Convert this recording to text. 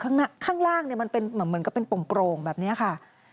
ข้างล่างเหมือนเป็นโปร่งแบบนี้ค่ะ